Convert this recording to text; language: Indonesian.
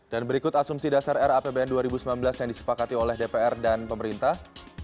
dan berikut asumsi dasar rapbn dua ribu sembilan belas yang disepakati oleh dpr dan pemerintah